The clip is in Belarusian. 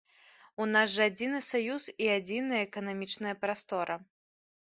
У нас жа адзіны саюз і адзіная эканамічная прастора.